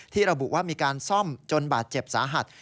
ที่เรากลับว่ามีการซ่อมจนบาดเจ็บสาหัส